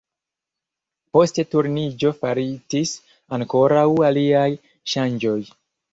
Post Turniĝo faritis ankoraŭ aliaj ŝanĝoj.